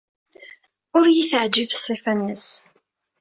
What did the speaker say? Ur iyi-teɛjib ṣṣifa-nnes.